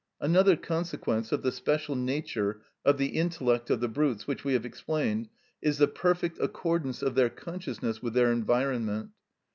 Another consequence of the special nature of the intellect of the brutes, which we have explained is the perfect accordance of their consciousness with their environment.